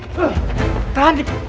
selamat ya fin